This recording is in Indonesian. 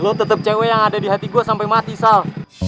lo tetep cewek yang ada di hati gue sampe mati sal